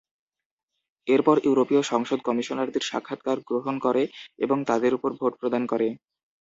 এরপর ইউরোপীয় সংসদ কমিশনারদের সাক্ষাৎকার গ্রহণ করে এবং তাদের উপর ভোট প্রদান করে।